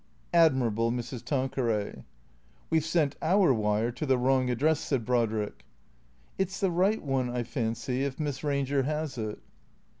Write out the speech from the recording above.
Admirable Mrs. Tanqueray !" We \e sent our wire to the wrong address," said Brodrick. " It 's the right one, I fancy, if Miss Ranger has it."